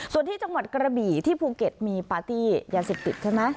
ส่วนที่จังหวัดกระบี่ที่ภูเก็ตมีปาร์ตี้ยาเสพติดใช่ไหม